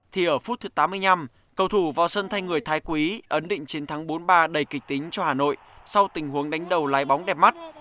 thì ở phút thứ tám mươi năm cầu thủ vào sân thanh người thái quý ấn định chiến thắng bốn ba đầy kịch tính cho hà nội sau tình huống đánh đầu lái bóng đẹp mắt